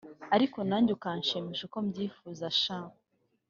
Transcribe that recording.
ariko nanjye ukanshimisha uko mbyifuza sha”